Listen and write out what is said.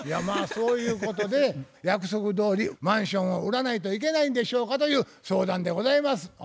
まあそういうことで約束どおりマンションを売らないといけないんでしょうかという相談でございます。